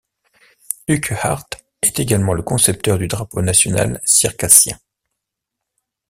Urquhart est également le concepteur du drapeau national circassien.